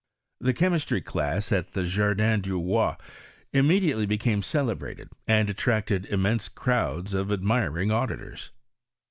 The chemistry class at the Jardin du Roi immediately became celebrated, and attracted immense crowds of ad miring auditors.